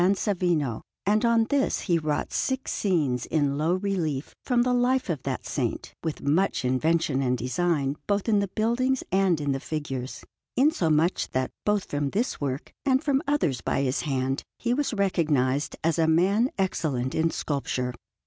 Savino, and on this he wrought six scenes in low relief from the life of that Saint, with much invention and design both in the buildings and in the figures; insomuch that both from this work and from others by his hand he was recognized as a man excellent in sculpture.